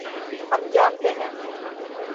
ہم جانتے ہیں۔